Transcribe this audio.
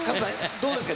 どうですか？